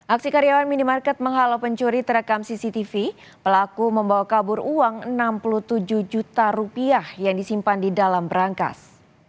aksi karyawan minimarket menghalau pencuri terekam cctv pelaku membawa kabur uang enam puluh tujuh juta rupiah yang disimpan di dalam berangkas